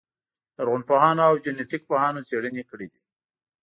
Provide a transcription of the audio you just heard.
لرغونپوهانو او جنټیک پوهانو څېړنې کړې دي.